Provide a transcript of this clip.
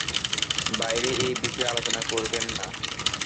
বাইরে এই বিষয়ে আলোচনা করবেন না।